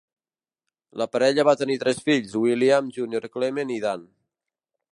La parella va tenir tres fills, William, Junior Clement i Dan.